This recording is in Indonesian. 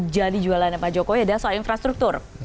jadi jualan dari pak jokowi adalah soal infrastruktur